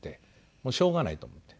しょうがないと思って。